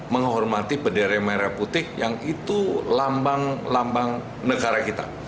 menghormati bendera merah putih yang itu lambang lambang negara kita